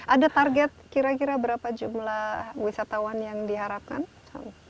ada target kira kira berapa jumlah wisatawan yang diharapkan